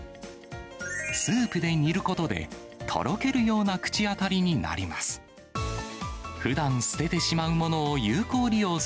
スープで煮ることでとろけるような口当たりになります。